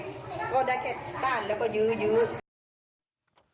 ก็ได้แค่กล้านแล้วก็ยืดยืด